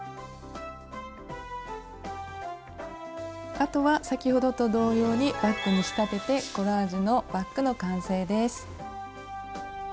あとは先ほどと同様にバッグに仕立ててコラージュのバッグの完成です。